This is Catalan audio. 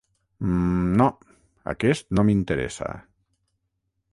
Mm no, aquest no m'interessa.